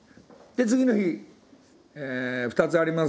次の日「２つあります。